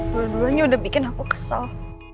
dua duanya udah bikin aku kesel